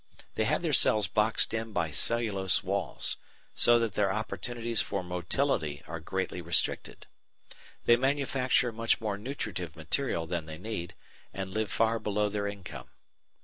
They have their cells boxed in by cellulose walls, so that their opportunities for motility are greatly restricted. They manufacture much more nutritive material than they need, and live far below their income.